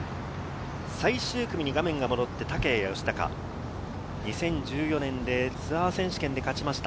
最終組に画面が戻って竹谷佳孝、２０１４年でツアー選手権で勝ちました。